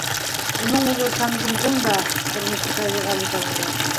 Уның улы Сангундың да тормошо фажиғәле тамамлана.